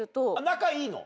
仲いいの？